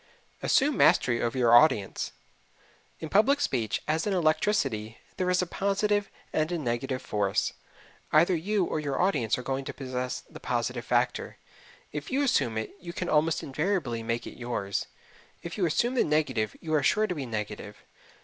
Assume Mastery Over Your Audience In public speech, as in electricity, there is a positive and a negative force. Either you or your audience are going to possess the positive factor. If you assume it you can almost invariably make it yours. If you assume the negative you are sure to be negative.